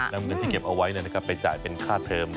นำเงินที่เก็บเอาไว้ไปจ่ายเป็นค่าเทอม